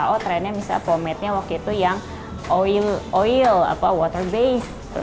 oh trendnya misalnya pomade nya waktu itu yang oil water based